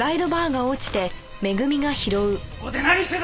ここで何してた！